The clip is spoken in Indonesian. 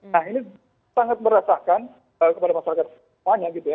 nah ini sangat merasakan kepada masyarakat semuanya gitu ya